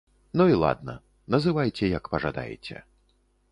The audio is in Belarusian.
Ну і ладна, называйце як пажадаеце.